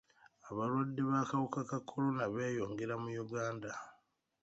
Abalwadde b'akawuka ka kolona beeyongera mu Uganda.